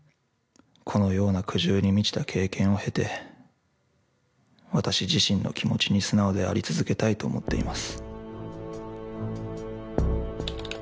このような苦渋に満ちた経験を経て私自身の気持ちに素直であり続けたいと思っています。